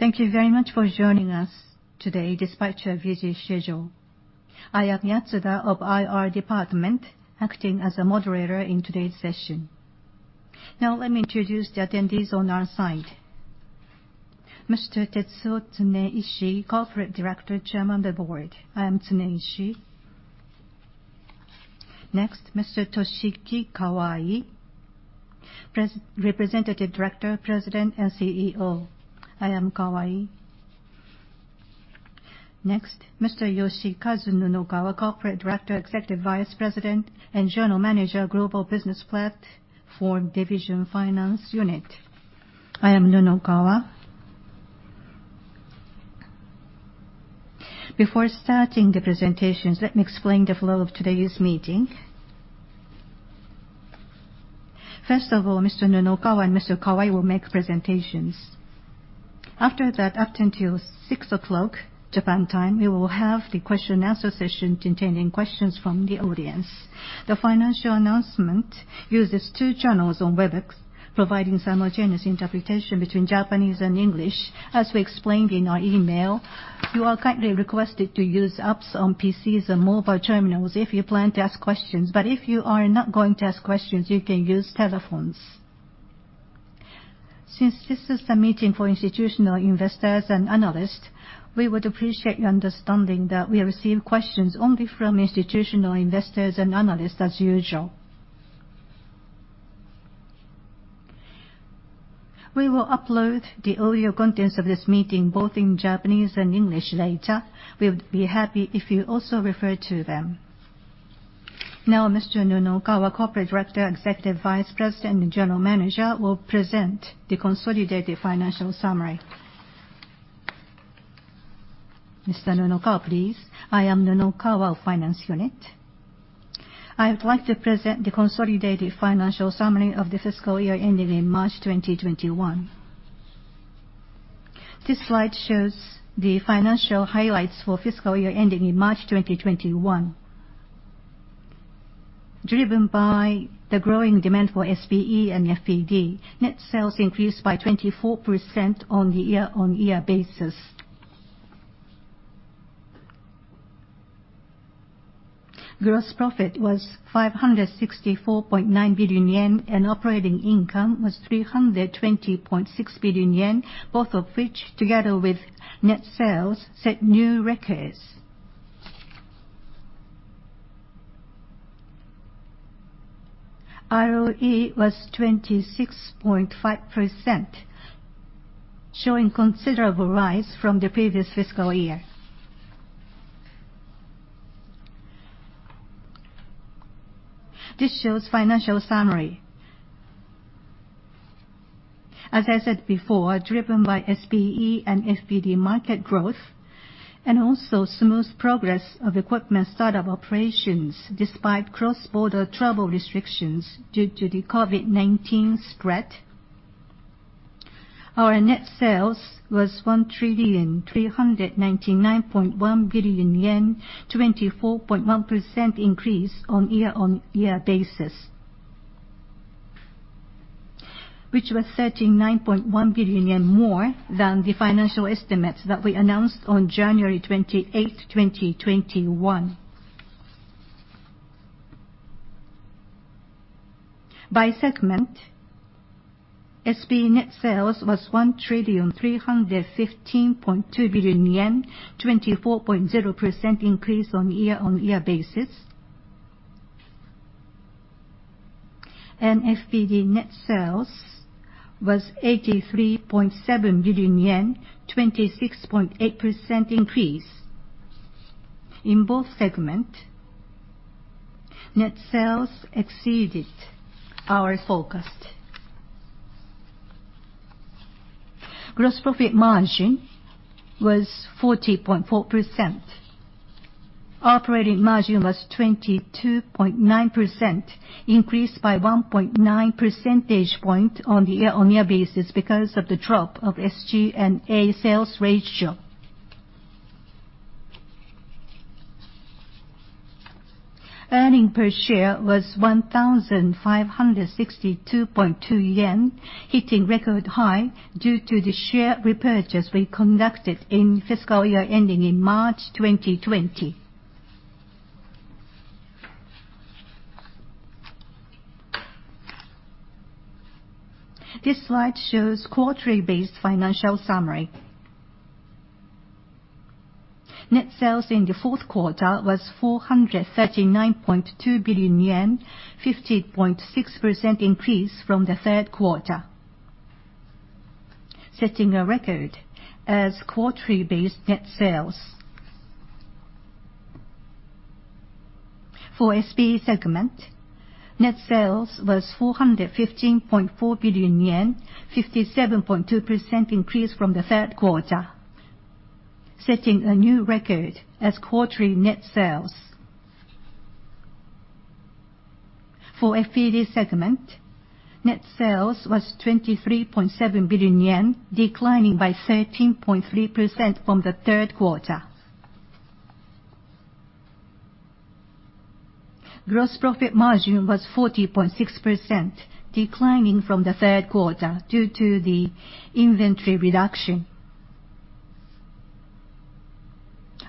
Thank you very much for joining us today despite your busy schedule. I am Yatsuda of IR Department, acting as a moderator in today's session. Let me introduce the attendees on our side. Mr. Tetsuo Tsuneishi, Corporate Director, Chairman of the Board. I am Tsuneishi. Mr. Toshiki Kawai, Representative Director, President, and CEO. I am Kawai. Mr. Yoshikazu Nunokawa, Corporate Director, Executive Vice President, and General Manager, Global Business Platform Division, Finance unit. I am Nunokawa. Before starting the presentations, let me explain the flow of today's meeting. Mr. Nunokawa and Mr. Kawai will make presentations. Up until 6:00 P.M. Japan Time, we will have the question-and-answer session containing questions from the audience. The financial announcement uses two channels on WebEx, providing simultaneous interpretation between Japanese and English. As we explained in our email, you are kindly requested to use apps on PCs or mobile terminals if you plan to ask questions. If you are not going to ask questions, you can use telephones. Since this is a meeting for institutional investors and analysts, we would appreciate your understanding that we receive questions only from institutional investors and analysts as usual. We will upload the audio contents of this meeting, both in Japanese and English later. We would be happy if you also refer to them. Mr. Nunokawa, Corporate Director, Executive Vice President, and General Manager, will present the consolidated financial summary. Mr. Nunokawa, please. I am Nunokawa of Finance unit. I would like to present the consolidated financial summary of the fiscal year ending in March 2021. This slide shows the financial highlights for fiscal year ending in March 2021. Driven by the growing demand for SPE and FPD, net sales increased by 24% on the year-on-year basis. Gross profit was 564.9 billion yen, and operating income was 320.6 billion yen, both of which, together with net sales, set new records. ROE was 26.5%, showing considerable rise from the previous fiscal year. This shows financial summary. As I said before, driven by SPE and FPD market growth and also smooth progress of equipment start-up operations despite cross-border travel restrictions due to the COVID-19 spread, our net sales was 1,399.1 billion yen, 24.1% increase on year-on-year basis, which was 39.1 billion yen more than the financial estimates that we announced on January 28th, 2021. By segment, SPE net sales was 1,315.2 billion yen, 24.0% increase on year-on-year basis. FPD net sales was 83.7 billion yen, 26.8% increase. In both segment, net sales exceeded our forecast. Gross profit margin was 40.4%. Operating margin was 22.9%, increased by 1.9 percentage point on the year-on-year basis because of the drop of SG&A sales ratio. Earnings per share was 1,562.2 yen, hitting record high due to the share repurchase we conducted in fiscal year ending in March 2020. This slide shows quarterly-based financial summary. Net sales in the fourth quarter was 439.2 billion yen, 15.6% increase from the third quarter, setting a record as quarterly-based net sales. For SPE segment, net sales was 415.4 billion yen, 57.2% increase from the third quarter, setting a new record as quarterly net sales. For FPD segment, net sales was 23.7 billion yen, declining by 13.3% from the third quarter. Gross profit margin was 40.6%, declining from the third quarter due to the inventory reduction.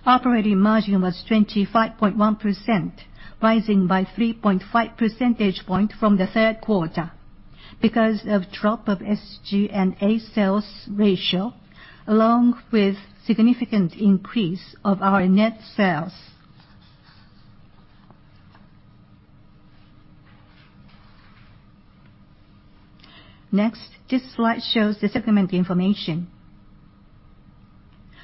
Operating margin was 25.1%, rising by 3.5 percentage point from the third quarter because of drop of SG&A sales ratio, along with significant increase of our net sales. This slide shows the segment information.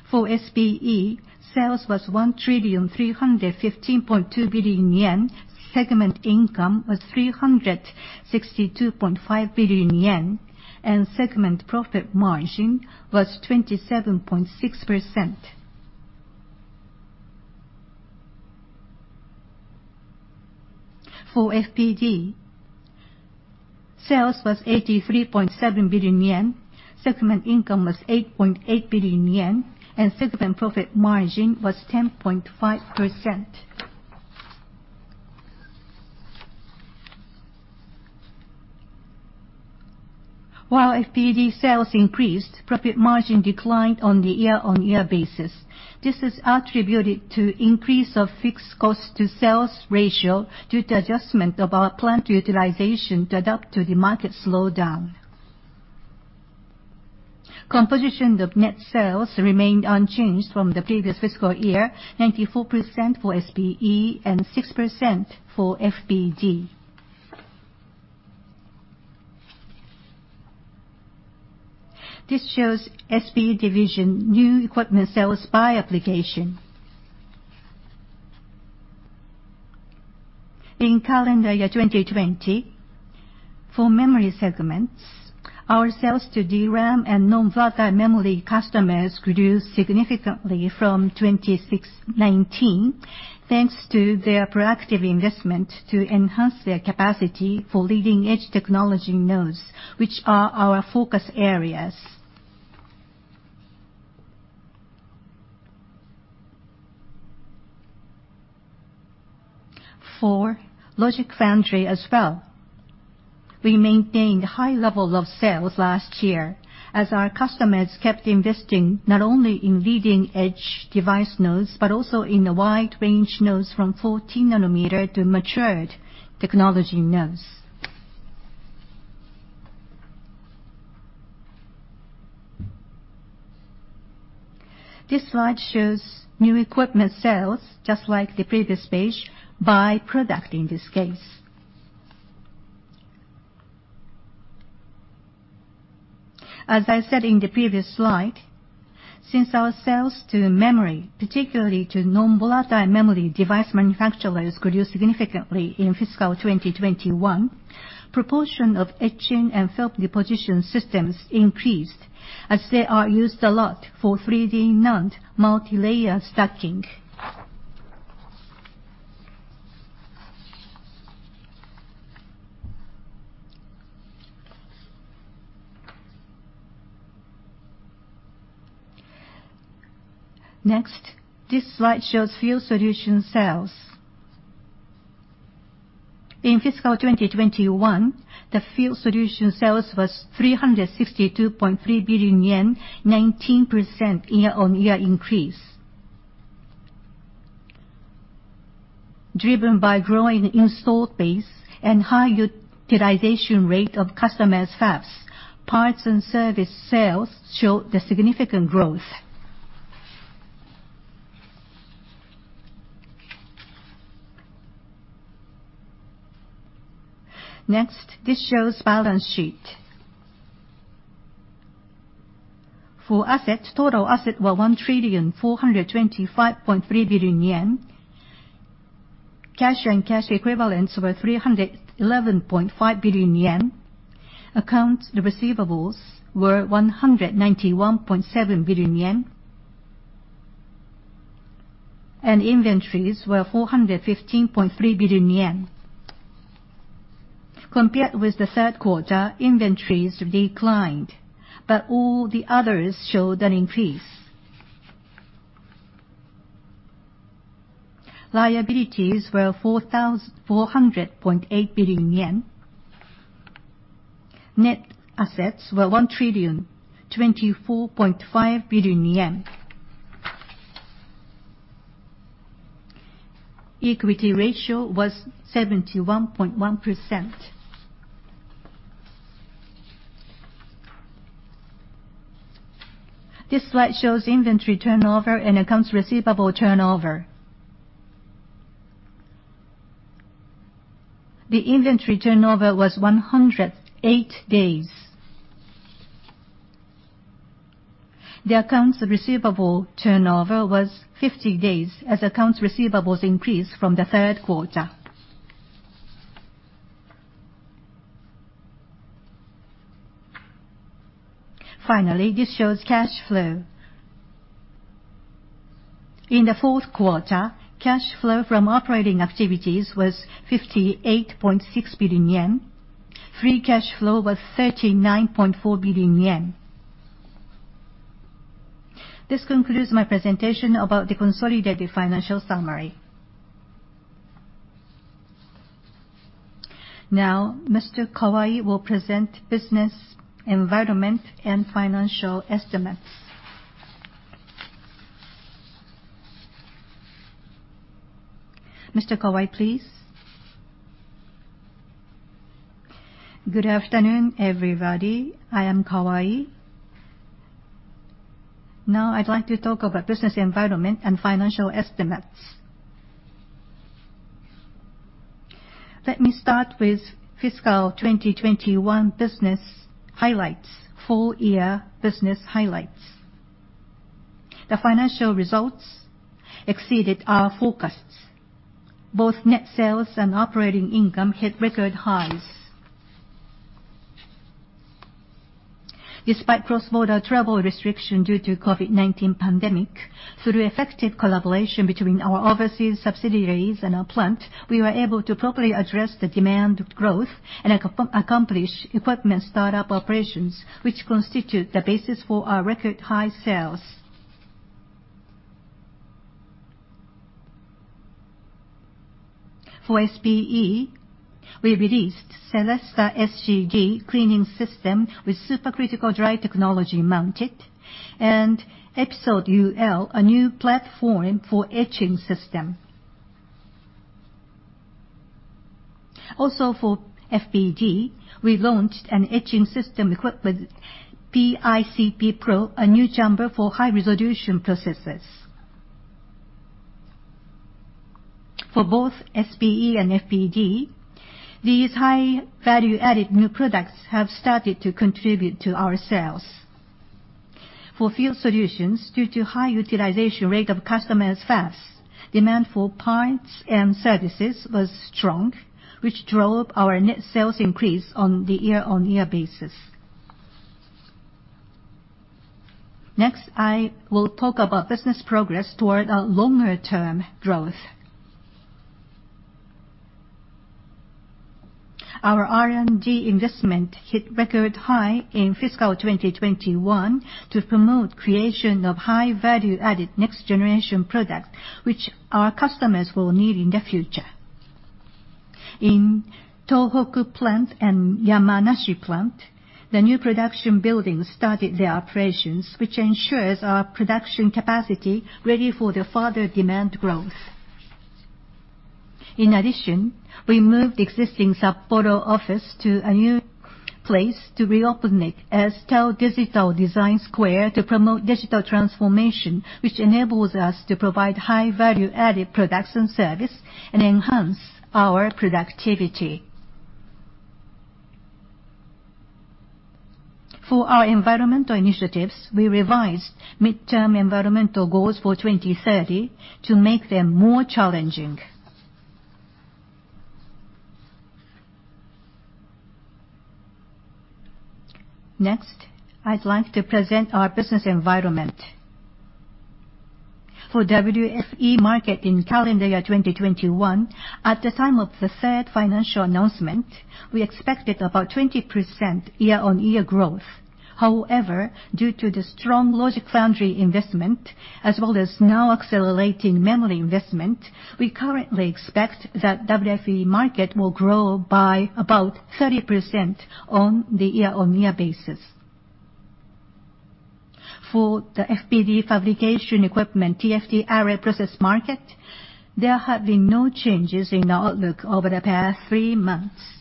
For SPE, sales was 1,315.2 billion yen, segment income was 362.5 billion yen, and segment profit margin was 27.6%. For FPD, sales was JPY 83.7 billion, segment income was 8.8 billion yen, and segment profit margin was 10.5%. While FPD sales increased, profit margin declined on the year-on-year basis. This is attributed to increase of fixed cost to sales ratio due to adjustment of our plant utilization to adapt to the market slowdown. Composition of net sales remained unchanged from the previous fiscal year, 94% for SPE and 6% for FPD. This shows SPE division new equipment sales by application. In calendar year 2020, for memory segments, our sales to DRAM and non-volatile memory customers grew significantly from 2019, thanks to their proactive investment to enhance their capacity for leading-edge technology nodes, which are our focus areas. For logic foundry as well, we maintained high level of sales last year as our customers kept investing not only in leading-edge device nodes, but also in the wide range nodes from 14 nm to matured technology nodes. This slide shows new equipment sales, just like the previous page, by product in this case. As I said in the previous slide, since our sales to memory, particularly to non-volatile memory device manufacturers, grew significantly in fiscal 2021, proportion of etching and film deposition systems increased as they are used a lot for 3D NAND multi-layer stacking. Next, this slide shows field solution sales. In fiscal 2021, the field solution sales was 362.3 billion yen, 19% year-on-year increase. Driven by growing installed base and high utilization rate of customers' fabs, parts and service sales showed a significant growth. Next, this shows balance sheet. For assets, total assets were 1,425.3 billion yen, cash and cash equivalents were 311.5 billion yen, accounts receivables were 191.7 billion yen, and inventories were 415.3 billion yen. Compared with the third quarter, inventories declined, but all the others showed an increase. Liabilities were 4,400.8 billion yen. Net assets were 1,024.5 billion yen. Equity ratio was 71.1%. This slide shows inventory turnover and accounts receivable turnover. The inventory turnover was 108 days. The accounts receivable turnover was 50 days, as accounts receivables increased from the third quarter. Finally, this shows cash flow. In the fourth quarter, cash flow from operating activities was 58.6 billion yen. Free cash flow was 39.4 billion yen. This concludes my presentation about the consolidated financial summary. Mr. Kawai will present business environment and financial estimates. Mr. Kawai, please. Good afternoon, everybody. I am Kawai. I'd like to talk about business environment and financial estimates. Let me start with fiscal 2021 business highlights, full year business highlights. The financial results exceeded our forecasts. Both net sales and operating income hit record highs. Despite cross-border travel restriction due to COVID-19 pandemic, through effective collaboration between our overseas subsidiaries and our plant, we were able to properly address the demand growth and accomplish equipment startup operations, which constitute the basis for our record high sales. For SPE, we released Cellesta SCD cleaning system with supercritical dry technology mounted, and Episode UL, a new platform for etching system. For FPD, we launched an etching system equipped with PICP Pro, a new chamber for high-resolution processes. For both SPE and FPD, these high-value-added new products have started to contribute to our sales. For field solutions, due to high utilization rate of customers' fab, demand for parts and services was strong, which drove our net sales increase on the year-on-year basis. Next, I will talk about business progress toward a longer-term growth. Our R&D investment hit record high in fiscal 2021 to promote creation of high-value-added next-generation products, which our customers will need in the future. In Tohoku plant and Yamanashi plant, the new production buildings started their operations, which ensures our production capacity ready for the further demand growth. In addition, we moved existing Sapporo office to a new place to reopen it as TEL Digital Design Square to promote digital transformation, which enables us to provide high-value-added production service and enhance our productivity. For our environmental initiatives, we revised midterm environmental goals for 2030 to make them more challenging. Next, I'd like to present our business environment. For WFE market in calendar year 2021, at the time of the third financial announcement, we expected about 20% year-on-year growth. Due to the strong logic foundry investment, as well as now accelerating memory investment, we currently expect that WFE market will grow by about 30% on the year-on-year basis. For the FPD fabrication equipment, TFT array process market, there have been no changes in outlook over the past three months.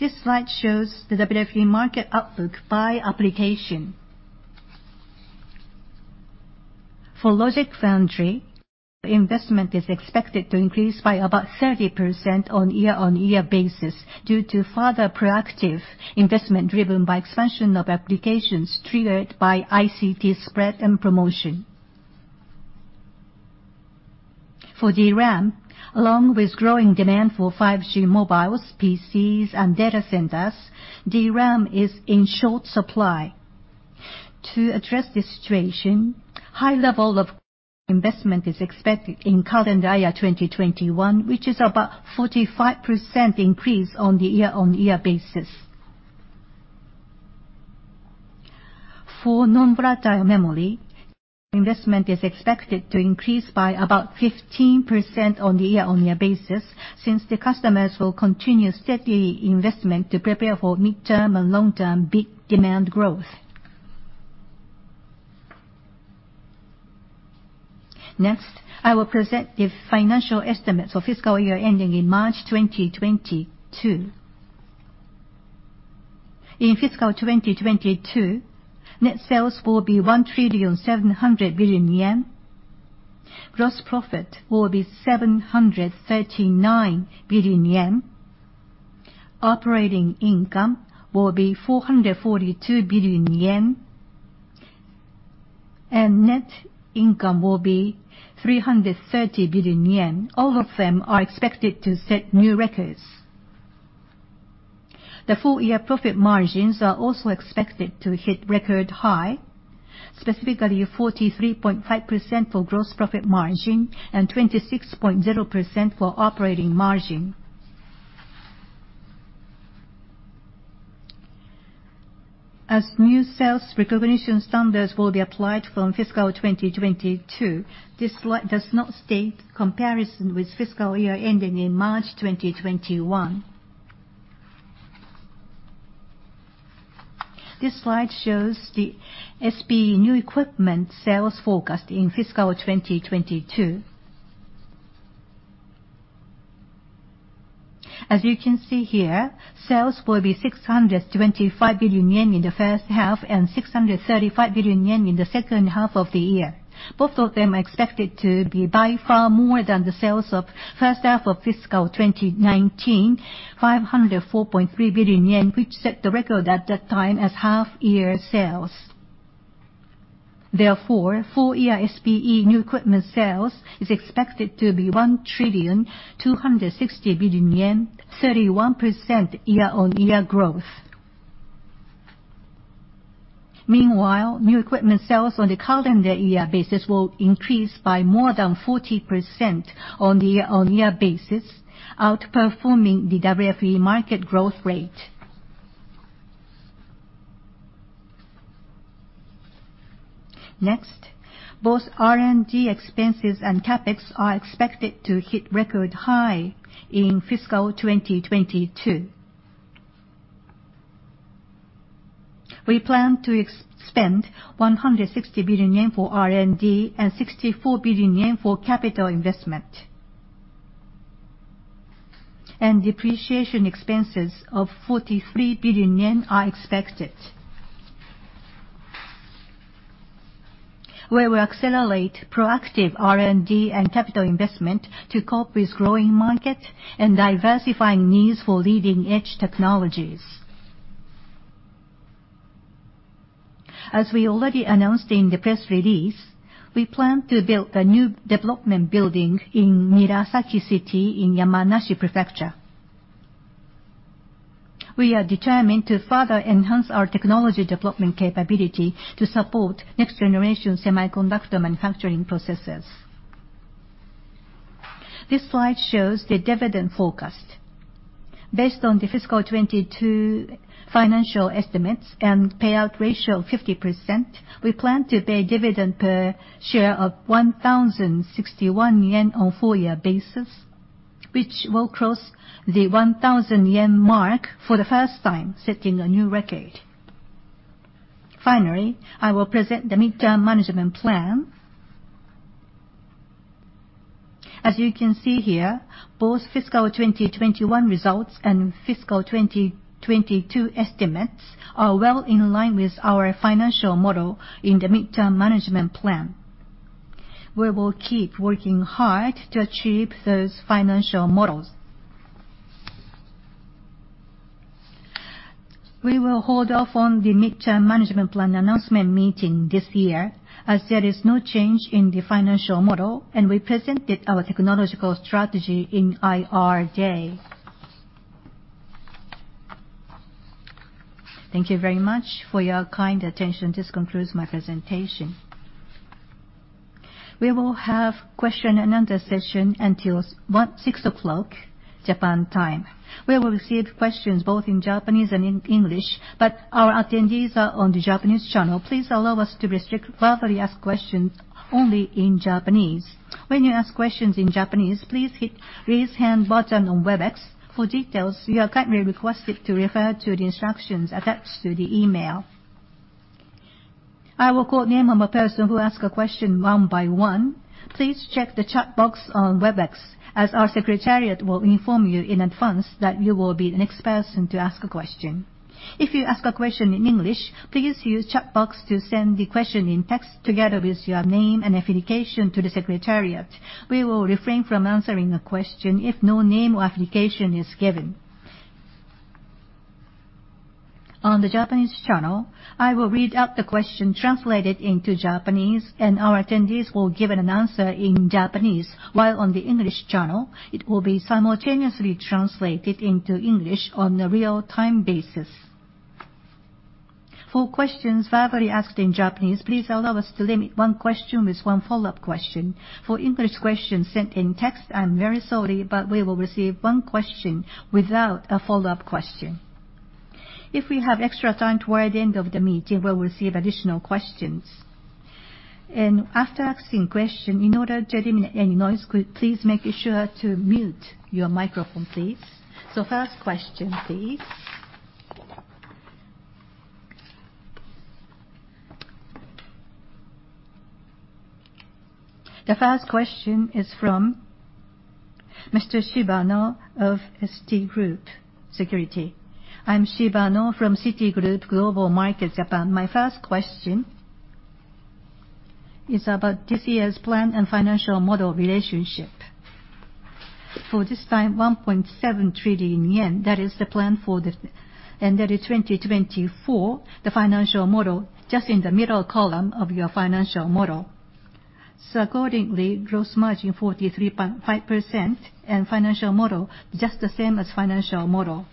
This slide shows the WFE market outlook by application. For logic foundry, investment is expected to increase by about 30% on year-on-year basis due to further proactive investment driven by expansion of applications triggered by ICT spread and promotion. For DRAM, along with growing demand for 5G mobiles, PCs, and data centers, DRAM is in short supply. To address this situation, high level of investment is expected in current year 2021, which is about 45% increase on the year-on-year basis. For non-volatile memory, investment is expected to increase by about 15% on the year-on-year basis since the customers will continue steady investment to prepare for midterm and long-term big demand growth. Next, I will present the financial estimates for fiscal year ending in March 2022. In fiscal 2022, net sales will be 1,700 billion yen. Gross profit will be 739 billion yen. Operating income will be 442 billion yen. Net income will be 330 billion yen. All of them are expected to set new records. The full year profit margins are also expected to hit record high, specifically 43.5% for gross profit margin and 26.0% for operating margin. As new sales recognition standards will be applied from fiscal 2022, this slide does not state comparison with fiscal year ending in March 2021. This slide shows the SPE new equipment sales forecast in fiscal 2022. As you can see here, sales will be 625 billion yen in the first half and 635 billion yen in the second half of the year. Both of them are expected to be by far more than the sales of first half of fiscal 2019, 504.3 billion yen, which set the record at that time as half year sales. Therefore, full year SPE new equipment sales is expected to be 1,260 billion yen, 31% year-on-year growth. Meanwhile, new equipment sales on the calendar year basis will increase by more than 40% on the year-on-year basis, outperforming the WFE market growth rate. Both R&D expenses and CapEx are expected to hit record high in fiscal 2022. We plan to spend 160 billion yen for R&D and 64 billion yen for capital investment. Depreciation expenses of 43 billion yen are expected. We will accelerate proactive R&D and capital investment to cope with growing market and diversifying needs for leading-edge technologies. As we already announced in the press release, we plan to build a new development building in Nirasaki City, in Yamanashi Prefecture. We are determined to further enhance our technology development capability to support next generation semiconductor manufacturing processes. This slide shows the dividend forecast. Based on the fiscal 2022 financial estimates and payout ratio 50%, we plan to pay dividend per share of 1,061 yen on full year basis, which will cross the 1,000 yen mark for the first time, setting a new record. Finally, I will present the midterm management plan. As you can see here, both fiscal 2021 results and fiscal 2022 estimates are well in line with our financial model in the midterm management plan. We will keep working hard to achieve those financial models. We will hold off on the midterm management plan announcement meeting this year, as there is no change in the financial model, and we presented our technological strategy in IR Day. Thank you very much for your kind attention. This concludes my presentation. We will have question and answer session until 6:00 P.M. Japan Time. We will receive questions both in Japanese and in English, but our attendees are on the Japanese channel. Please allow us to restrict verbally asked questions only in Japanese. When you ask questions in Japanese, please hit raise hand button on Webex. For details, you are kindly requested to refer to the instructions attached to the email. I will call name of a person who ask a question one by one. Please check the chat box on Webex, as our secretariat will inform you in advance that you will be the next person to ask a question. If you ask a question in English, please use chat box to send the question in text, together with your name and affiliation to the secretariat. We will refrain from answering a question if no name or affiliation is given. On the Japanese channel, I will read out the question translated into Japanese, and our attendees will give an answer in Japanese. While on the English channel, it will be simultaneously translated into English on a real time basis. For questions verbally asked in Japanese, please allow us to limit one question with one follow-up question. For English questions sent in text, I am very sorry, but we will receive one question without a follow-up question. If we have extra time toward the end of the meeting, we will receive additional questions. After asking a question, in order to eliminate any noise, please make sure to mute your microphone, please. First question, please. The first question is from Mr. Shibano of Citigroup Securities. I am Shibano from Citigroup Global Markets Japan. My first question is about this year's plan and financial model relationship. For this time, 1.7 trillion yen, that is the plan for the 2024 financial model, just in the middle column of your financial model. Accordingly, gross margin 43.5% and financial model, just the same as financial model.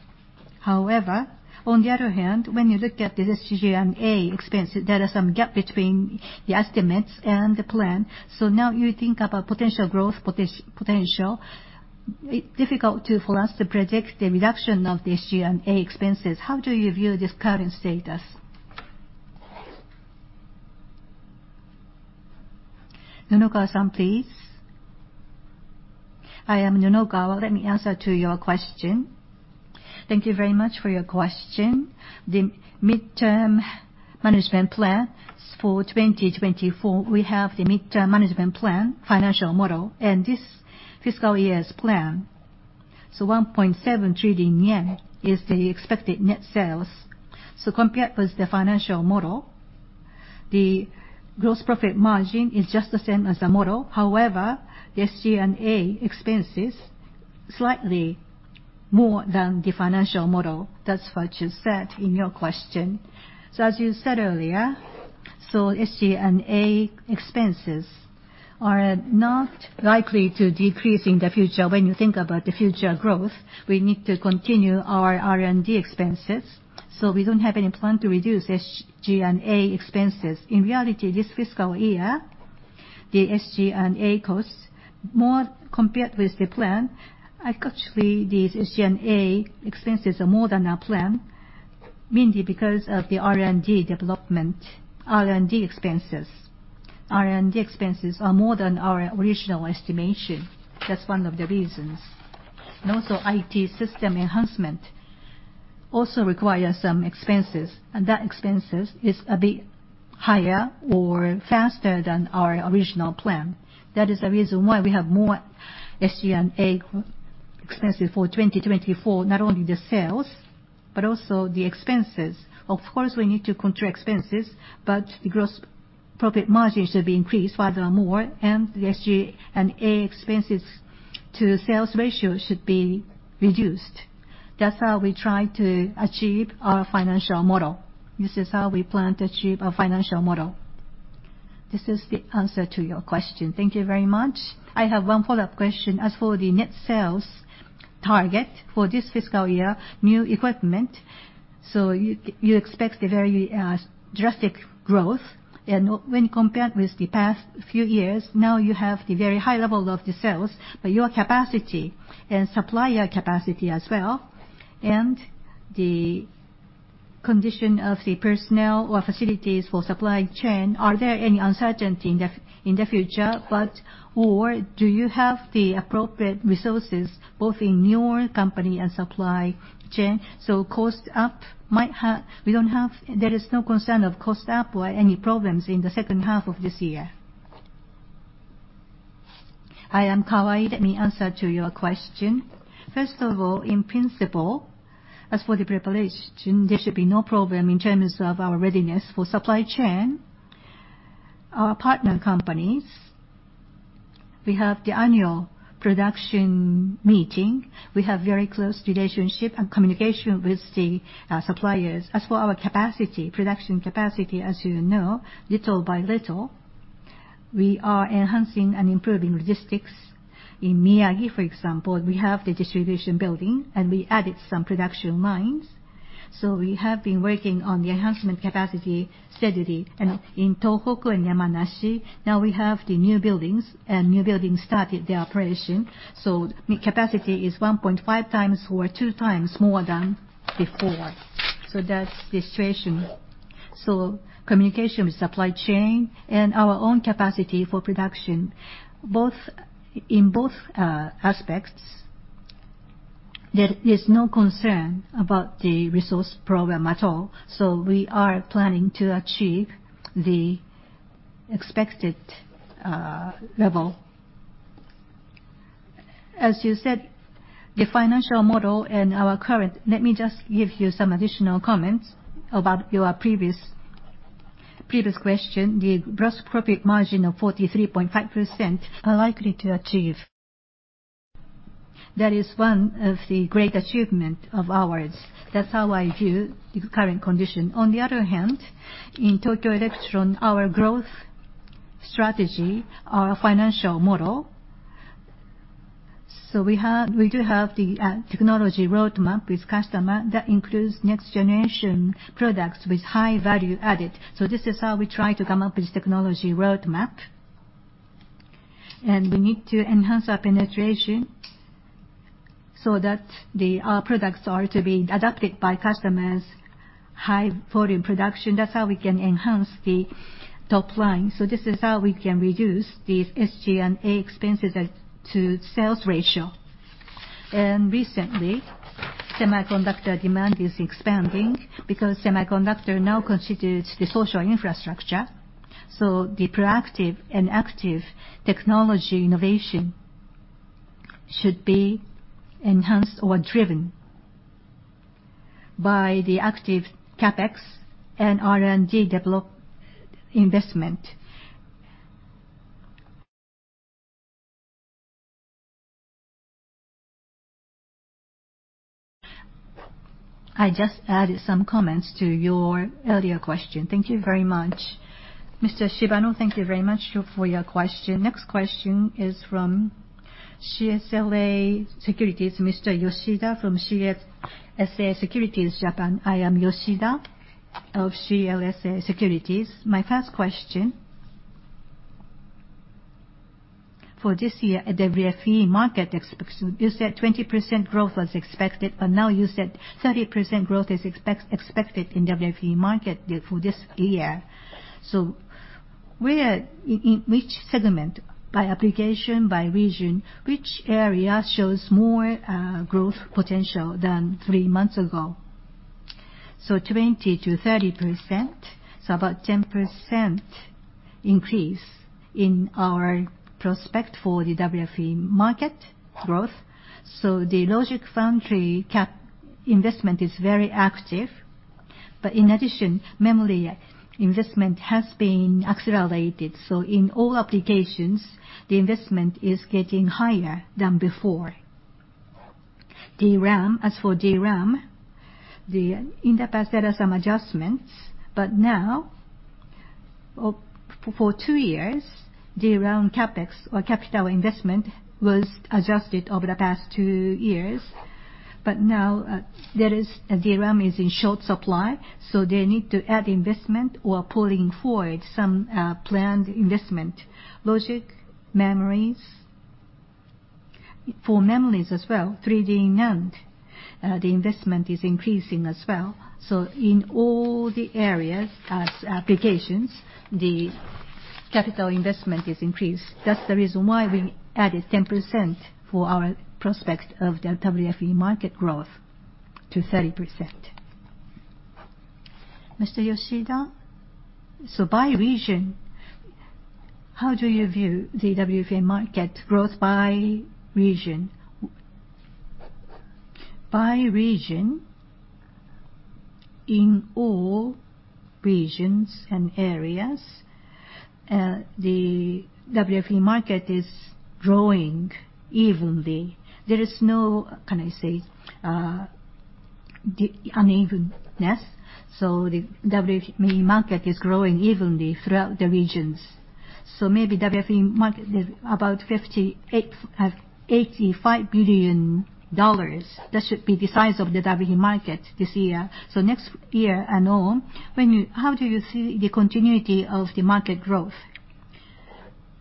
However, on the other hand, when you look at the SG&A expense, there are some gap between the estimates and the plan. Now you think about potential growth potential. It's difficult for us to predict the reduction of the SG&A expenses. How do you view this current status? Nunokawa, please. I am Nunokawa. Let me answer to your question. Thank you very much for your question. The midterm management plan is for 2024. We have the midterm management plan, financial model, and this fiscal year's plan. 1.7 trillion yen is the expected net sales. Compared with the financial model, the gross profit margin is just the same as the model. However, the SG&A expenses slightly more than the financial model. That's what you said in your question. As you said earlier, SG&A expenses are not likely to decrease in the future. When you think about the future growth, we need to continue our R&D expenses. We don't have any plan to reduce SG&A expenses. In reality, this fiscal year, the SG&A costs more compared with the plan. Actually, the SG&A expenses are more than our plan, mainly because of the R&D development. R&D expenses are more than our original estimation. That's one of the reasons. Also, IT system enhancement also requires some expenses, and that expenses is a bit higher or faster than our original plan. That is the reason why we have more SG&A expenses for 2024, not only the sales, but also the expenses. Of course, we need to control expenses, but the gross profit margin should be increased furthermore, and the SG&A expenses to sales ratio should be reduced. That's how we try to achieve our financial model. This is how we plan to achieve our financial model. This is the answer to your question. Thank you very much. I have one follow-up question. As for the net sales target for this fiscal year, new equipment, you expect a very drastic growth. When compared with the past few years, now you have the very high level of the sales, but your capacity and supplier capacity as well, and the condition of the personnel or facilities for supply chain, are there any uncertainty in the future, or do you have the appropriate resources both in your company and supply chain? Cost up, there is no concern of cost up or any problems in the second half of this year. I am Kawai. Let me answer to your question. First of all, in principle, as for the preparation, there should be no problem in terms of our readiness for supply chain. Our partner companies, we have the annual production meeting. We have very close relationship and communication with the suppliers. As for our capacity, production capacity, as you know, little by little, we are enhancing and improving logistics. In Miyagi, for example, we have the distribution building, and we added some production lines. We have been working on the enhancement capacity steadily. In Tohoku and Yamanashi, now we have the new buildings, and new building started the operation. Capacity is 1.5x or 2x more than before. That's the situation. Communication with supply chain and our own capacity for production, in both aspects, there is no concern about the resource problem at all. We are planning to achieve the expected level. As you said, the financial model. Let me just give you some additional comments about your previous question. The gross profit margin of 43.5% are likely to achieve. That is one of the great achievement of ours. That's how I view the current condition. On the other hand, in Tokyo Electron, our growth strategy, our financial model, we do have the technology roadmap with customer that includes next-generation products with high value added. This is how we try to come up with technology roadmap. We need to enhance our penetration so that our products are to be adopted by customers, high volume production. That's how we can enhance the top line. This is how we can reduce the SG&A expenses to sales ratio. Recently, semiconductor demand is expanding because semiconductor now constitutes the social infrastructure. The proactive and active technology innovation should be enhanced or driven by the active CapEx and R&D develop investment. I just added some comments to your earlier question. Thank you very much. Mr. Shibano, thank you very much for your question. Next question is from CLSA Securities, Mr. Yoshida from CLSA Securities Japan. I am Yoshida of CLSA Securities. My first question, for this year, the WFE market expectation, you said 20% growth was expected, but now you said 30% growth is expected in WFE market for this year. Where, in which segment, by application, by region, which area shows more growth potential than three months ago? 20%-30%, about 10% increase in our prospect for the WFE market growth. The logic foundry CapEx investment is very active. In addition, memory investment has been accelerated. In all applications, the investment is getting higher than before. DRAM. As for DRAM, in the past, there are some adjustments, but now for two years, DRAM CapEx, or capital investment, was adjusted over the past two years, but now DRAM is in short supply, so they need to add investment or pulling forward some planned investment. Logic, memories. For memories as well, 3D NAND, the investment is increasing as well. In all the areas as applications, the capital investment is increased. That's the reason why we added 10% for our prospects of the WFE market growth to 30%. By region, how do you view the WFE market growth by region? By region, in all regions and areas, the WFE market is growing evenly. There is no, how can I say, unevenness. The WFE market is growing evenly throughout the regions. Maybe WFE market is about $58, $85 billion. That should be the size of the WFE market this year. Next year and on, how do you see the continuity of the market growth?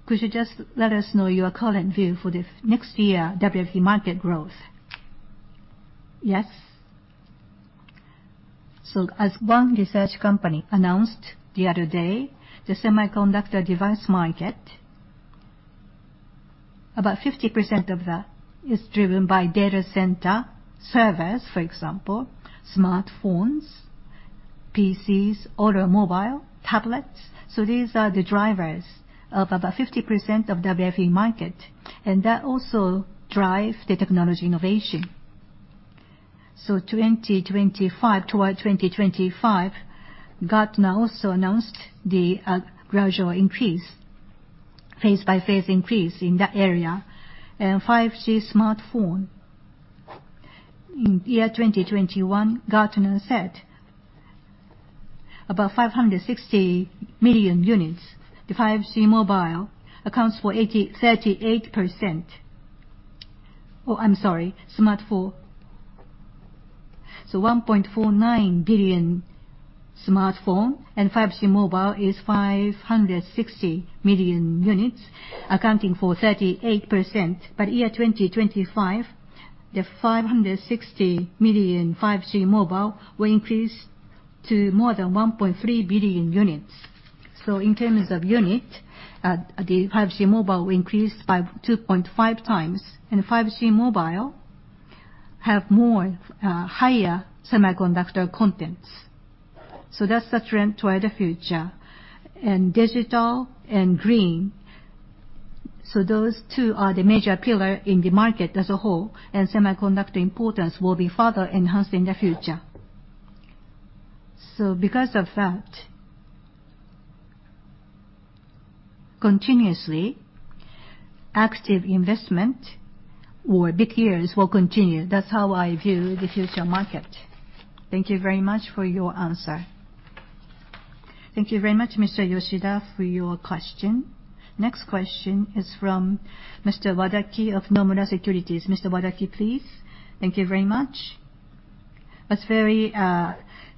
Could you just let us know your current view for the next year WFE market growth? Yes. As one research company announced the other day, the semiconductor device market, about 50% of that is driven by data center servers, for example, smartphones, PCs, automobile, tablets. These are the drivers of about 50% of WFE market, and that also drive the technology innovation. Toward 2025, Gartner also announced the gradual increase, phase-by-phase increase in that area. 5G smartphone, in year 2021, Gartner said about 560 million units, the 5G mobile accounts for 38%. Oh, I'm sorry, smartphone. 1.49 billion smartphone and 5G mobile is 560 million units, accounting for 38%. By year 2025, the 560 million 5G mobile will increase to more than 1.3 billion units. In terms of unit, the 5G mobile increased by 2.5x. 5G mobile have more higher semiconductor contents. That's the trend toward the future. Digital and green, so those two are the major pillar in the market as a whole, and semiconductor importance will be further enhanced in the future. Because of that, continuously active investment or big years will continue. That's how I view the future market. Thank you very much for your answer. Thank you very much, Mr. Yoshida, for your question. Next question is from Mr. Wadaki of Nomura Securities. Mr. Wadaki, please. That's a very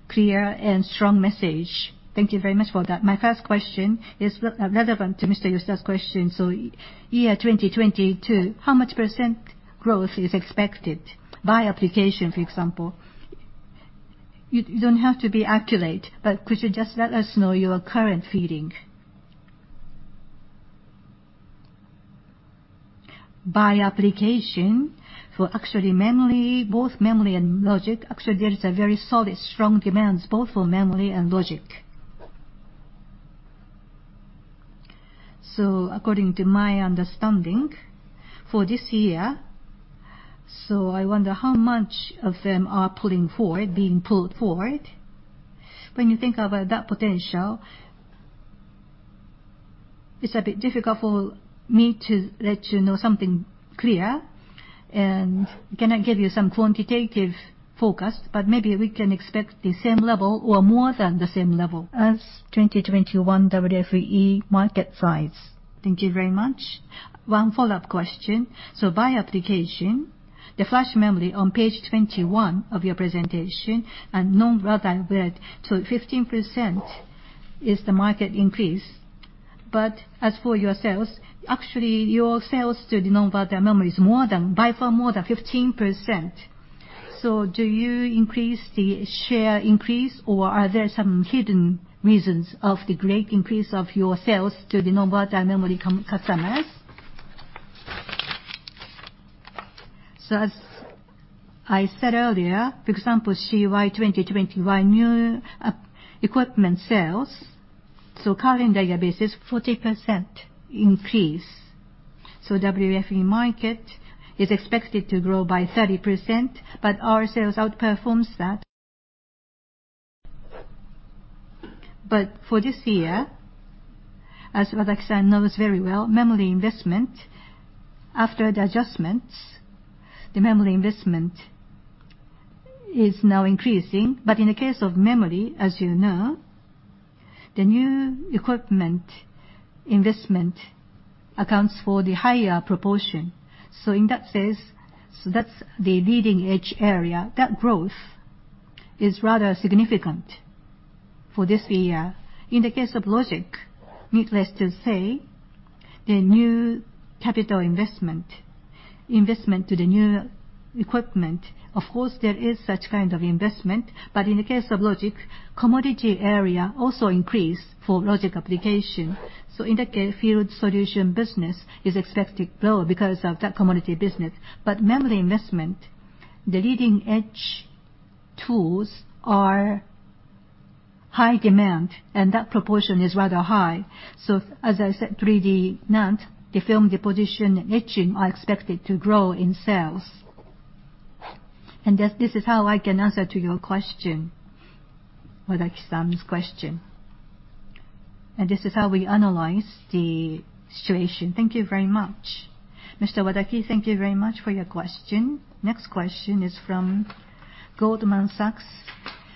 clear and strong message. Thank you very much for that. My first question is relevant to Mr. Yoshida's question. Year 2022, how much percent growth is expected by application, for example? You don't have to be accurate, but could you just let us know your current feeling? By application, for actually memory, both memory and logic, actually there is a very solid, strong demands both for memory and logic. According to my understanding, for this year, I wonder how much of them are pulling forward, being pulled forward? When you think about that potential, it's a bit difficult for me to let you know something clear, and I cannot give you some quantitative forecast, but maybe we can expect the same level or more than the same level as 2021 WFE market size. Thank you very much. One follow-up question. By application, the flash memory on page 21 of your presentation, a non-volatile, so 15% is the market increase. As for your sales, actually, your sales to the non-volatile memory is by far more than 15%. Do you increase the share increase, or are there some hidden reasons of the great increase of your sales to the non-volatile memory customers? As I said earlier, for example, FY2021 new equipment sales, so calendar year basis is 40% increase. WFE market is expected to grow by 30%, but our sales outperforms that. For this year, as Wadaki knows very well, memory investment, after the adjustments, the memory investment is now increasing. In the case of memory, as you know, the new equipment investment accounts for the higher proportion. In that sense, so that's the leading-edge area. That growth is rather significant for this year. In the case of logic, needless to say, the new capital investment to the new equipment, of course, there is such kind of investment. In the case of logic, commodity area also increase for logic application. In that case, field solution business is expected to grow because of that commodity business. Memory investment, the leading-edge tools are high demand, and that proportion is rather high. As I said 3D NAND, the film deposition and etching are expected to grow in sales. This is how I can answer to your question, Wadaki's question, and this is how we analyze the situation. Thank you very much. Mr. Wadaki, thank you very much for your question. Next question is from Goldman Sachs.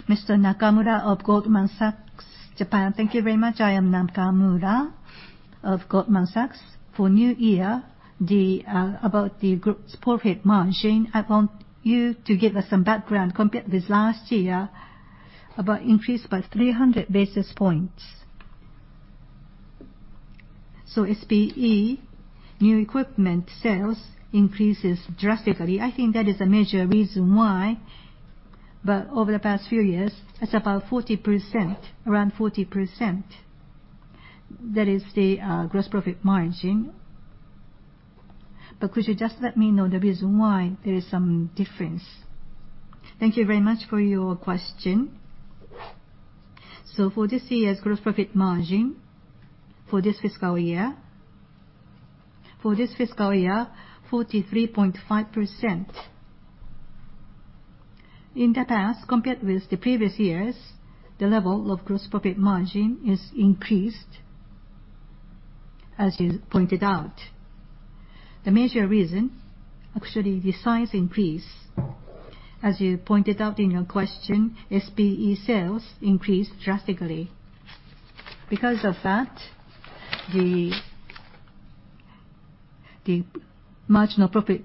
Mr. Nakamura of Goldman Sachs Japan. Thank you very much. I am Nakamura of Goldman Sachs. For new year, about the group's profit margin, I want you to give us some background compared with last year about increase by 300 basis points. SPE new equipment sales increases drastically. I think that is a major reason why, but over the past few years, it's about 40%, around 40%, that is the gross profit margin. Could you just let me know the reason why there is some difference? Thank you very much for your question. For this year's gross profit margin, for this fiscal year, 43.5%. In the past, compared with the previous years, the level of gross profit margin is increased, as you pointed out. The major reason, actually, the size increase. As you pointed out in your question, SPE sales increased drastically. Because of that, the marginal profit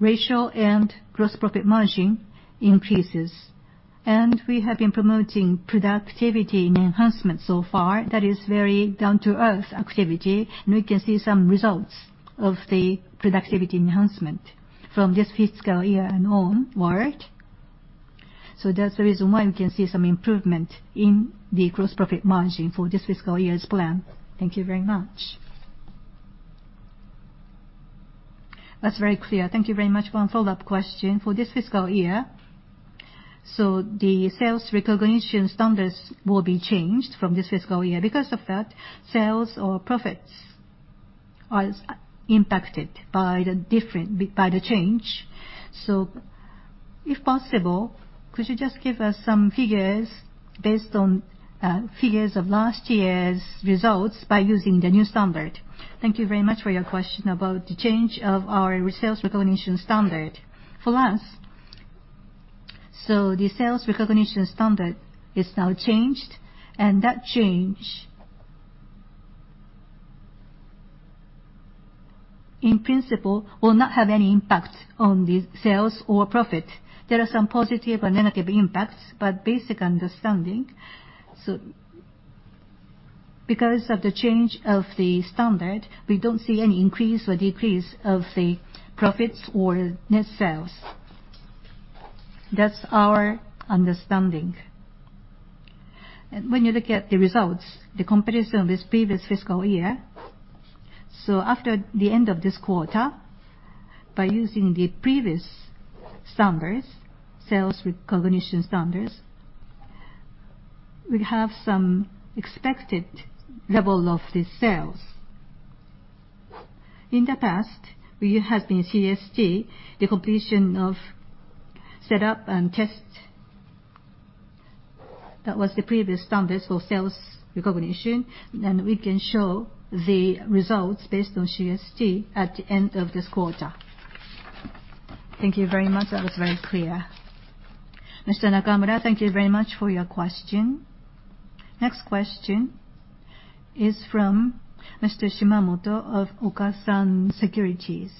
ratio and gross profit margin increases. We have been promoting productivity enhancement so far. That is very down-to-earth activity, and we can see some results of the productivity enhancement from this fiscal year and onward. That's the reason why we can see some improvement in the gross profit margin for this fiscal year's plan. That's very clear. Thank you very much. One follow-up question. For this fiscal year, the sales recognition standards will be changed from this fiscal year. Because of that, sales or profits are impacted by the change. If possible, could you just give us some figures based on figures of last year's results by using the new standard? Thank you very much for your question about the change of our sales recognition standard. For us, the sales recognition standard is now changed, and that change, in principle, will not have any impact on the sales or profit. There are some positive or negative impacts. Basic understanding, because of the change of the standard, we don't see any increase or decrease of the profits or net sales. That's our understanding. When you look at the results, the comparison with previous fiscal year, after the end of this quarter, by using the previous standards, sales recognition standards, we have some expected level of the sales. In the past, we have been CST, the completion of set up and test. That was the previous standards for sales recognition. We can show the results based on CST at the end of this quarter. Thank you very much. That was very clear. Mr. Nakamura, thank you very much for your question. Next question is from Mr. Shimamoto of Okasan Securities.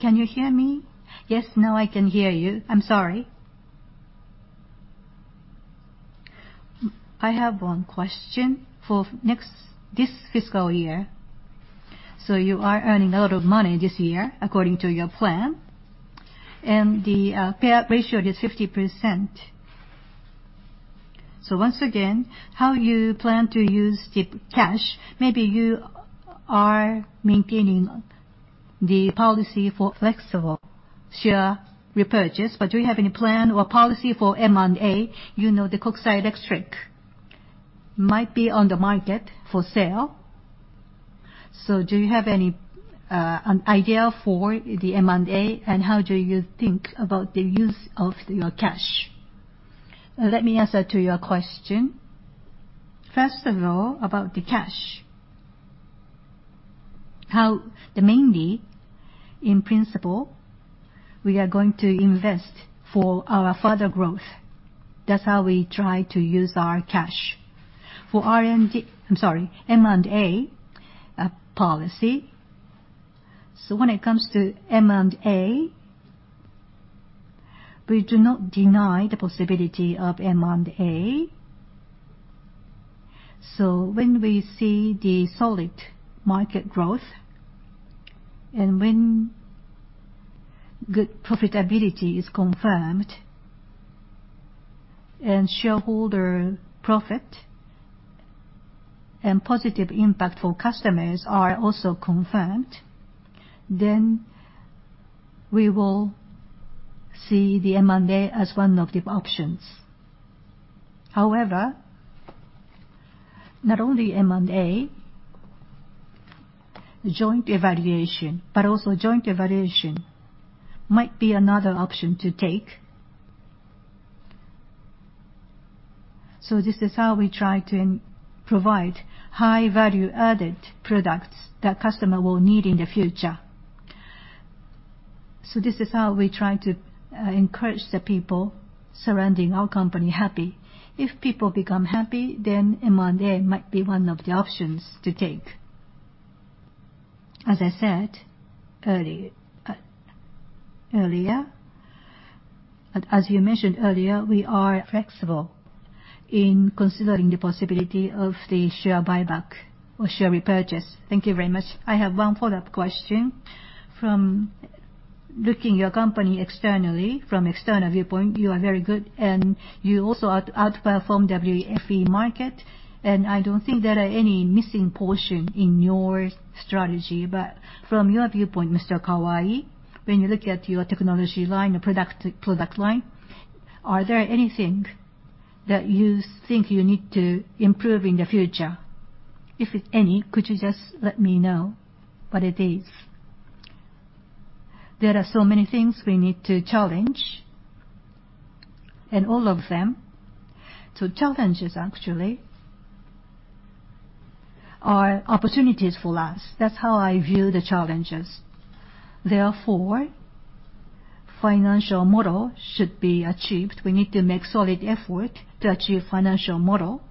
I'm sorry. I have one question for this fiscal year. You are earning a lot of money this year according to your plan, and the payout ratio is 50%. Once again, how you plan to use the cash? Maybe you are maintaining the policy for flexible share repurchase, but do you have any plan or policy for M&A? You know the Kokusai Electric might be on the market for sale. Do you have an idea for the M&A, and how do you think about the use of your cash? Let me answer to your question. First of all, about the cash. Mainly, in principle, we are going to invest for our further growth. That's how we try to use our cash. For M&A policy, when it comes to M&A, we do not deny the possibility of M&A. When we see the solid market growth, when good profitability is confirmed, shareholder profit and positive impact for customers are also confirmed, we will see the M&A as one of the options. However, not only M&A, joint evaluation, but also joint evaluation might be another option to take. This is how we try to provide high value-added products that customer will need in the future. This is how we try to encourage the people surrounding our company happy. If people become happy, M&A might be one of the options to take. As you mentioned earlier, we are flexible in considering the possibility of the share buyback or share repurchase. Thank you very much. I have one follow-up question. From looking your company externally, from external viewpoint, you are very good and you also outperformed WFE market. I don't think there are any missing portion in your strategy. From your viewpoint, Mr. Kawai, when you look at your technology line or product line, are there anything that you think you need to improve in the future? If it's any, could you just let me know what it is? There are so many things we need to challenge and all of them. Challenges actually are opportunities for us. That's how I view the challenges. Therefore, financial model should be achieved. We need to make solid effort to achieve financial model.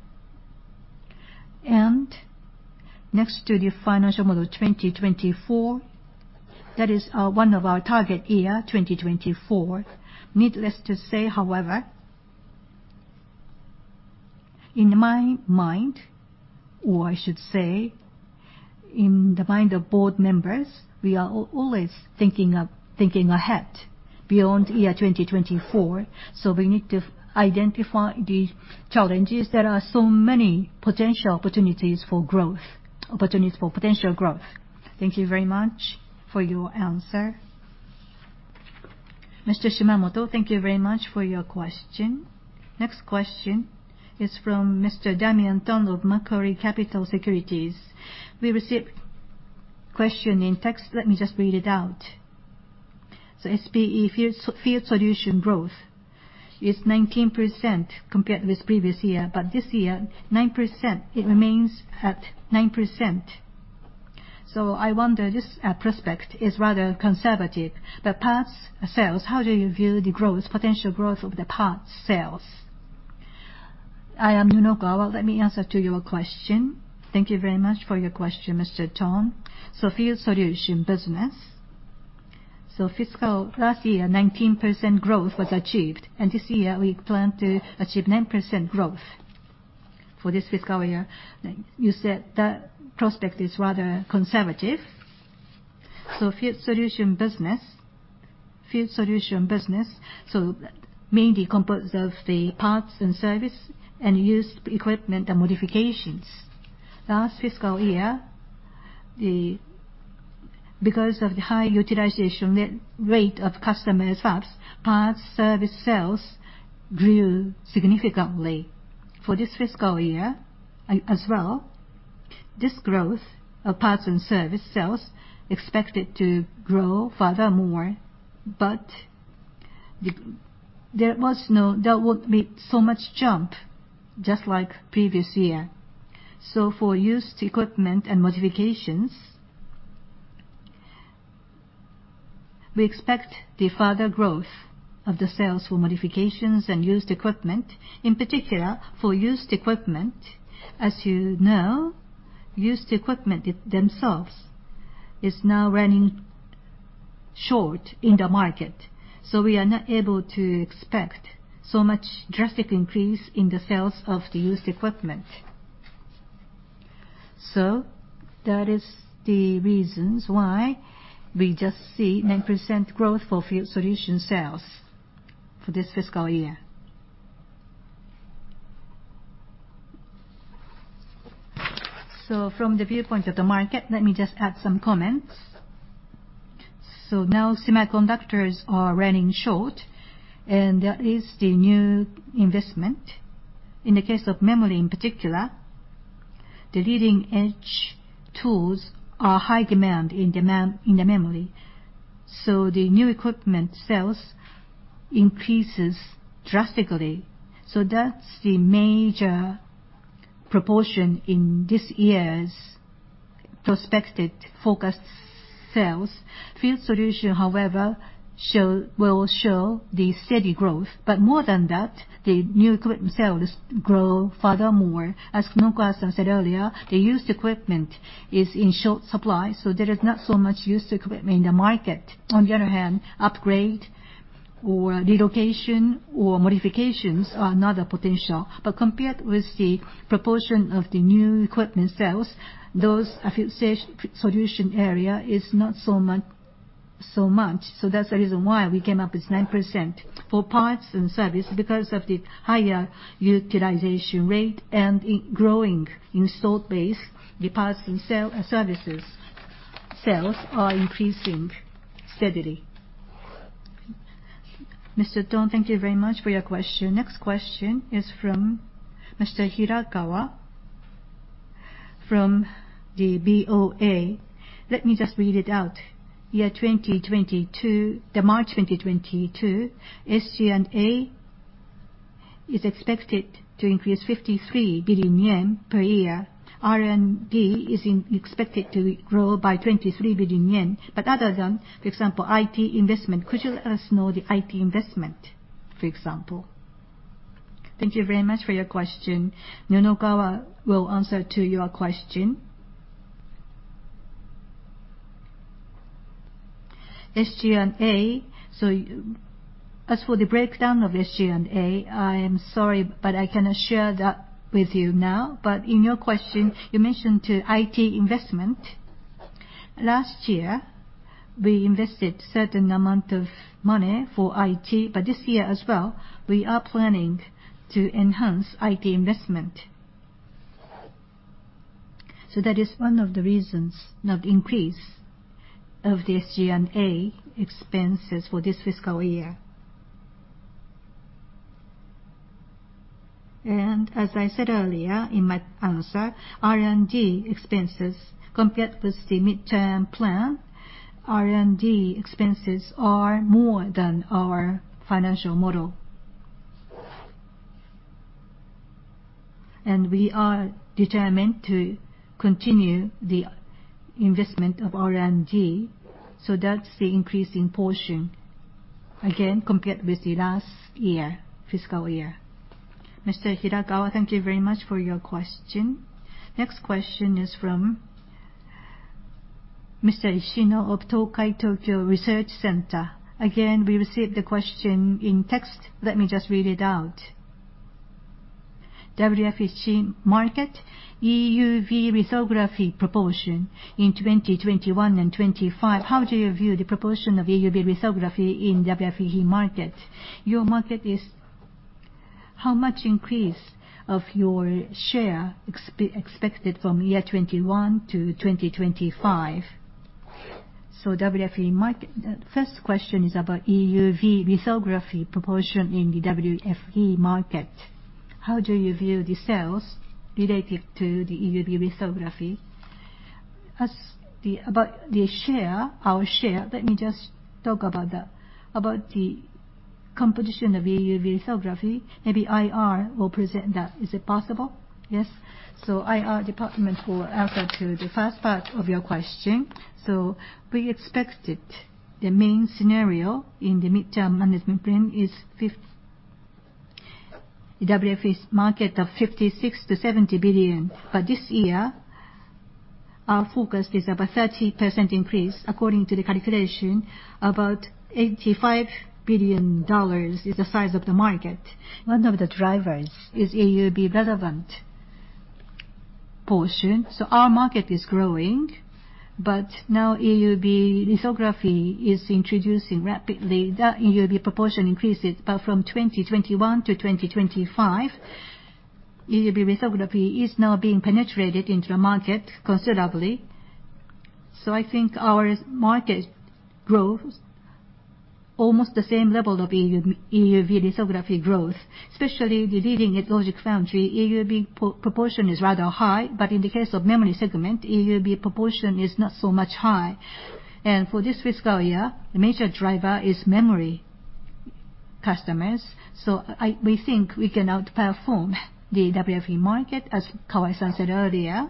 Next to the financial model 2024, that is one of our target year, 2024. Needless to say, however, in my mind, or I should say in the mind of board members, we are always thinking ahead beyond year 2024. We need to identify the challenges. There are so many potential opportunities for growth, opportunities for potential growth. Thank you very much for your answer. Mr. Shimamoto, thank you very much for your question. Next question is from Mr. Damian Thong of Macquarie Capital Securities. We received question in text. Let me just read it out. SPE field solution growth is 19% compared with previous year, but this year 9%, it remains at 9%. I wonder, this prospect is rather conservative, but parts sales, how do you view the potential growth of the parts sales? I am Nunokawa. Let me answer to your question. Thank you very much for your question, Mr. Thong. Field solution business. Fiscal last year, 19% growth was achieved. This year we plan to achieve 9% growth for this fiscal year. You said the prospect is rather conservative. Field solution business, mainly composed of the parts and service and used equipment and modifications. Last fiscal year, because of the high utilization rate of customers, parts service sales grew significantly. For this fiscal year as well, this growth of parts and service sales expected to grow furthermore, but there won't be so much jump just like previous year. For used equipment and modifications, we expect the further growth of the sales for modifications and used equipment. In particular, for used equipment, as you know, used equipment themselves is now running short in the market, so we are not able to expect so much drastic increase in the sales of the used equipment. That is the reasons why we just see 9% growth for field solution sales for this fiscal year. From the viewpoint of the market, let me just add some comments. Now semiconductors are running short, and there is the new investment. In the case of memory in particular, the leading-edge tools are high demand in the memory. The new equipment sales increases drastically. That's the major proportion in this year's prospected forecast sales. Field solution, however, will show the steady growth. More than that, the new equipment sales grow furthermore. As Nunokawa said earlier, the used equipment is in short supply, so there is not so much used equipment in the market. On the other hand, upgrade or relocation or modifications are another potential. Compared with the proportion of the new equipment sales, those field solution area is not so much. That's the reason why we came up with 9%. For parts and service, because of the higher utilization rate and growing installed base, the parts and services sales are increasing steadily. Mr. Thong, thank you very much for your question. Next question is from Mr. Hirakawa from the BofA. Let me just read it out. Year 2022, the March 2022, SG&A is expected to increase 53 billion yen per year. R&D is expected to grow by 23 billion yen. Other than, for example, IT investment, could you let us know the IT investment, for example? Thank you very much for your question. Nunokawa will answer to your question. SG&A, as for the breakdown of SG&A, I am sorry, but I cannot share that with you now. In your question, you mentioned to IT investment. Last year, we invested certain amount of money for IT, but this year as well, we are planning to enhance IT investment. That is one of the reasons, not increase of the SG&A expenses for this fiscal year. As I said earlier in my answer, R&D expenses compared with the midterm plan, R&D expenses are more than our financial model. We are determined to continue the investment of R&D. That's the increasing portion, again, compared with the last year, fiscal year. Mr. Hirakawa, thank you very much for your question. Next question is from Mr. Ishino of Tokai Tokyo Research Center. Again, we received the question in text. Let me just read it out. WFE market, EUV lithography proportion in 2021 and 2025. How do you view the proportion of EUV lithography in WFE market? How much increase of your share is expected from your market from year 2021 to 2025? First question is about EUV lithography proportion in the WFE market. How do you view the sales related to the EUV lithography? About our share, let me just talk about the composition of EUV lithography. Maybe IR will present that. Is it possible? Yes. IR department will answer to the first part of your question. The main scenario in the midterm management plan is the WFE market of $56 billion-$70 billion. This year, our focus is about 30% increase, according to the calculation, about $85 billion is the size of the market. One of the drivers is EUV relevant portion. Our market is growing, but now EUV lithography is introducing rapidly. The EUV proportion increases from 2021 to 2025. EUV lithography is now being penetrated into the market considerably. I think our market growth, almost the same level of EUV lithography growth, especially the leading logic foundry EUV proportion is rather high, but in the case of memory segment, EUV proportion is not so much high. For this fiscal year, the major driver is memory customers. We think we can outperform the WFE market, as Kawai said earlier.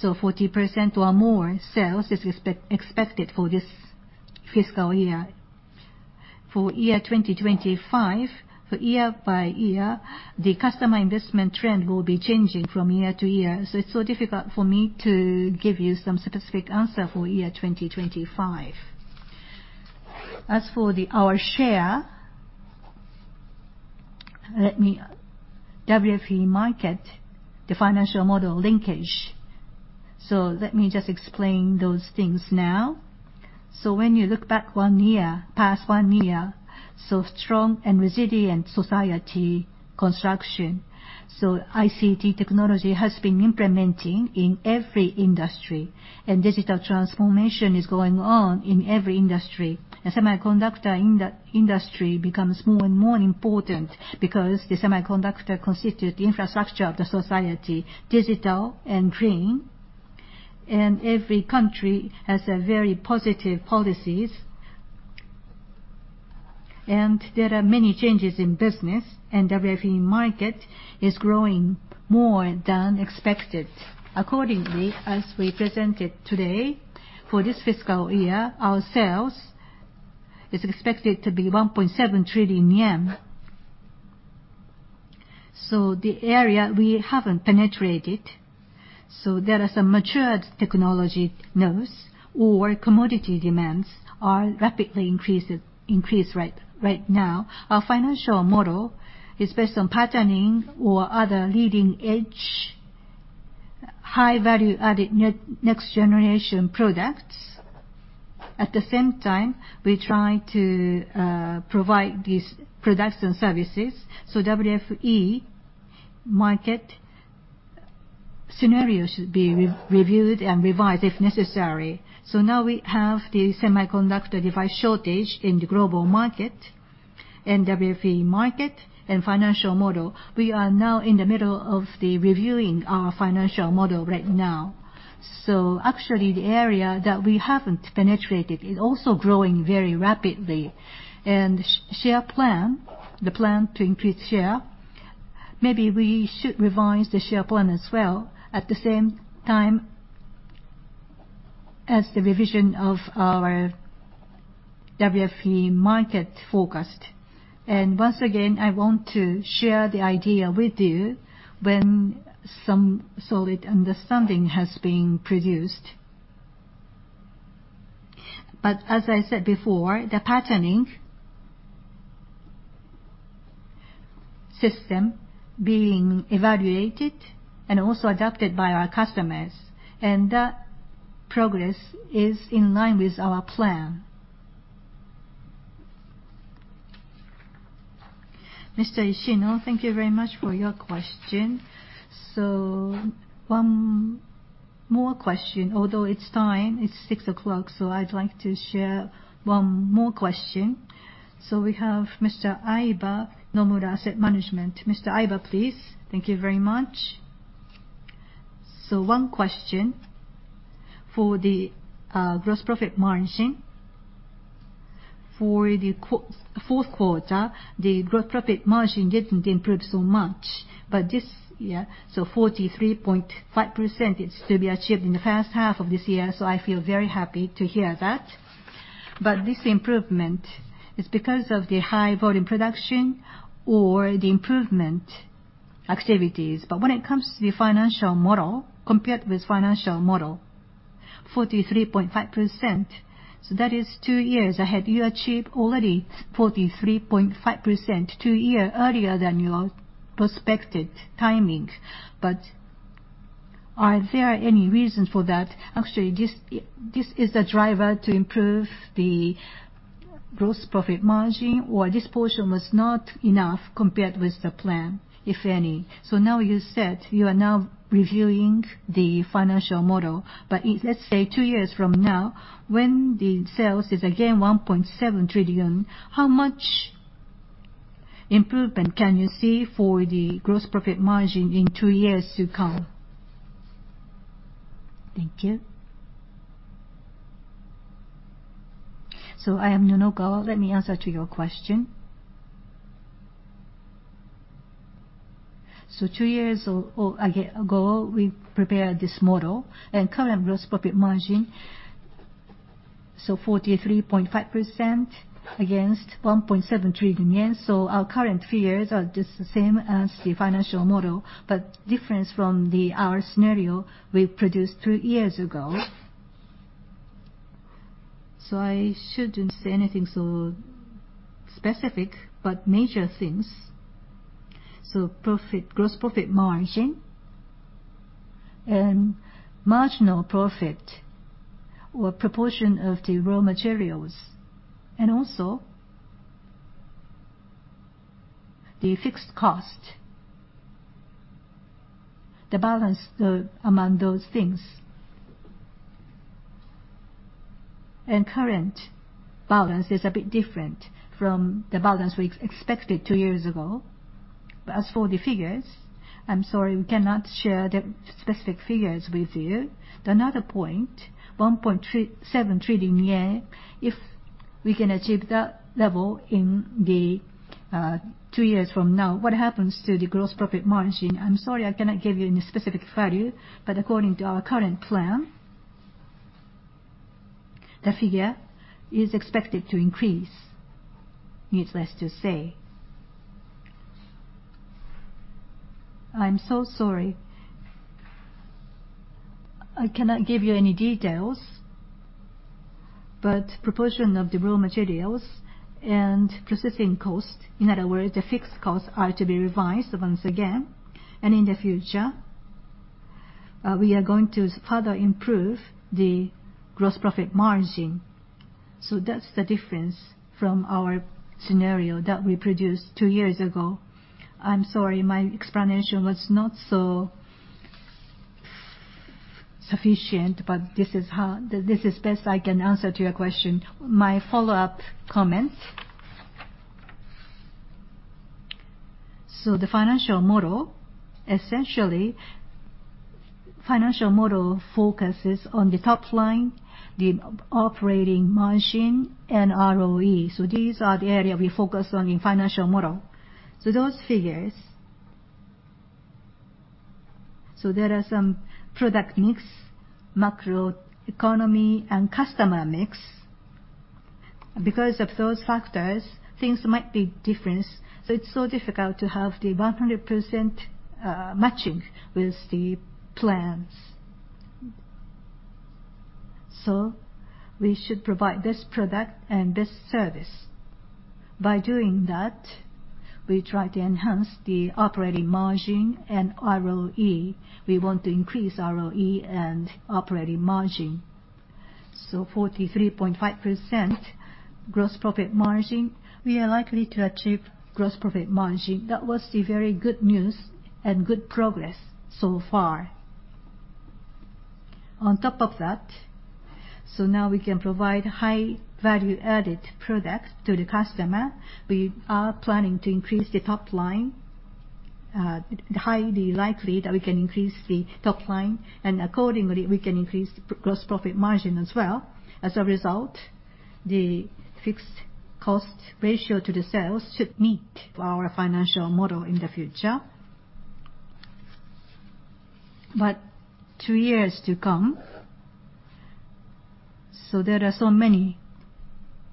40% or more sales is expected for this fiscal year. For year 2025, for year by year, the customer investment trend will be changing from year to year. It's so difficult for me to give you some specific answer for year 2025. As for our share, WFE market, the financial model linkage. Let me just explain those things now. When you look back one year, past one year, so strong and resilient society construction. ICT technology has been implementing in every industry, and digital transformation is going on in every industry. Semiconductor industry becomes more and more important because the semiconductor constitutes the infrastructure of the society, digital and green, and every country has very positive policies, and there are many changes in business, and WFE market is growing more than expected. Accordingly, as we presented today, for this fiscal year, our sales is expected to be 1.7 trillion yen. The area we haven't penetrated, so there are some matured technology nodes or commodity demands are rapidly increased right now. Our financial model is based on patterning or other leading-edge, high-value added, next-generation products. At the same time, we try to provide these products and services. WFE market scenario should be reviewed and revised if necessary. Now we have the semiconductor device shortage in the global market and WFE market and financial model. We are now in the middle of reviewing our financial model right now. Actually, the area that we haven't penetrated is also growing very rapidly. Share plan, the plan to increase share, maybe we should revise the share plan as well, at the same time as the revision of our WFE market forecast. Once again, I want to share the idea with you when some solid understanding has been produced. As I said before, the patterning system being evaluated and also adopted by our customers, and that progress is in line with our plan. Mr. Ishino, thank you very much for your question. One more question, although it's time, it's 6:00 P.M., so I'd like to share one more question. We have Mr. Aiba, Nomura Asset Management. Mr. Aiba, please. Thank you very much. One question. For the gross profit margin. For the fourth quarter, the gross profit margin didn't improve so much. This year, 43.5% is to be achieved in the first half of this year, I feel very happy to hear that. This improvement is because of the high volume production or the improvement activities. When it comes to the financial model, compared with financial model, 43.5%, that is two years ahead. You achieved already 43.5% two years earlier than your prospective timing. Are there any reasons for that? Actually, this is the driver to improve the gross profit margin, or this portion was not enough compared with the plan, if any. Now you said you are now reviewing the financial model, let's say two years from now, when the sales is again 1.7 trillion, how much improvement can you see for the gross profit margin in two years to come? Thank you. I am Nunokawa. Let me answer to your question. Two years ago, we prepared this model and current gross profit margin, 43.5% against 1.7 trillion yen. Our current figures are the same as the financial model, different from our scenario we produced two years ago. I shouldn't say anything so specific, major things. Gross profit margin and marginal profit, or proportion of the raw materials, the fixed cost, the balance among those things. Current balance is a bit different from the balance we expected two years ago. As for the figures, I'm sorry, we cannot share the specific figures with you. Another point, 1.7 trillion yen, if we can achieve that level in the two years from now, what happens to the gross profit margin? I'm sorry, I cannot give you any specific value, but according to our current plan, the figure is expected to increase, needless to say. I'm so sorry. I cannot give you any details, but proportion of the raw materials and processing cost, in other words, the fixed costs, are to be revised once again. In the future, we are going to further improve the gross profit margin. That's the difference from our scenario that we produced two years ago. I'm sorry, my explanation was not so sufficient, but this is best I can answer to your question. My follow-up comments. The financial model, essentially, focuses on the top line, the operating margin, and ROE. These are the area we focus on in financial model. Those figures. There are some product mix, macro economy, and customer mix. Because of those factors, things might be different, so it is so difficult to have the 100% matching with the plans. We should provide this product and this service. By doing that, we try to enhance the operating margin and ROE. We want to increase ROE and operating margin. 43.5% gross profit margin, we are likely to achieve gross profit margin. That was the very good news and good progress so far. On top of that, now we can provide high value-added product to the customer. We are planning to increase the top line. Highly likely that we can increase the top line, and accordingly, we can increase gross profit margin as well. As a result, the fixed cost ratio to the sales should meet our financial model in the future. Two years to come, so there are so many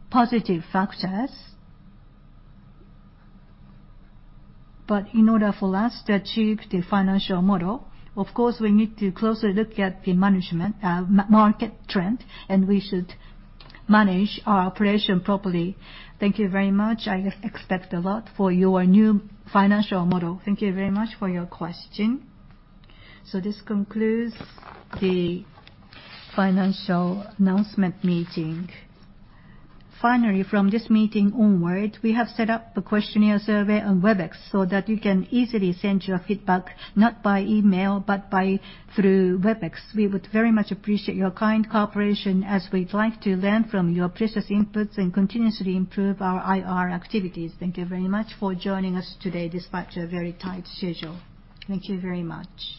positive factors. In order for us to achieve the financial model, of course, we need to closely look at the market trend, and we should manage our operation properly. Thank you very much. I expect a lot for your new financial model. Thank you very much for your question. This concludes the financial announcement meeting. Finally, from this meeting onward, we have set up a questionnaire survey on Webex so that you can easily send your feedback, not by email, but through Webex. We would very much appreciate your kind cooperation as we'd like to learn from your precious inputs and continuously improve our IR activities. Thank you very much for joining us today despite your very tight schedule. Thank you very much.